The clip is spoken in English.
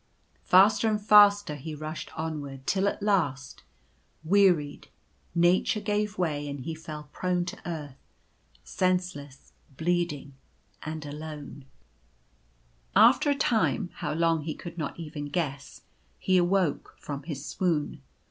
Faster and faster he rushed onward ; till, at last, wearied nature gave way and he fell prone to earth, senseless, bleeding, and alone. 152 Desolation. After a time — how long he could not even guess — he awoke from his swoon.